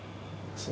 そう